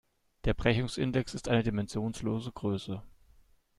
Der Brechungsindex ist eine dimensionslose Größe.